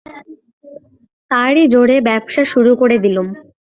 তারই জোরে ব্যবসা শুরু করে দিলুম।